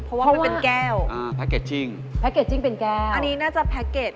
เพราะว่ามันเป็นแก้วอ่าแพ็คเกจจิ้งแพ็คเกจจิ้งเป็นแก้วอันนี้น่าจะแพ็คเกจ